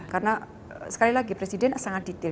karena sekali lagi presiden sangat detail